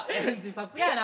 さすがやな。